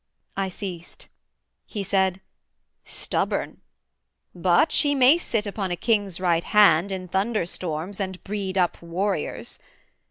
I ceased; he said, 'Stubborn, but she may sit Upon a king's right hand in thunder storms, And breed up warriors!